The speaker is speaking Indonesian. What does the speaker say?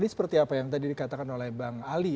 seperti apa yang tadi dikatakan oleh bang ali